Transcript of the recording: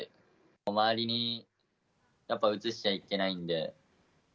周りにやっぱ、うつしちゃいけないんで。